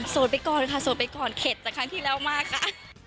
ไปก่อนค่ะโสดไปก่อนเข็ดแต่ครั้งที่แล้วมากค่ะ